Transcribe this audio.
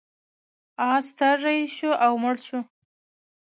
اس تږی شو او مړ شو.